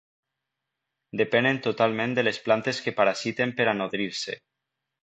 Depenen totalment de les plantes que parasiten per a nodrir-se.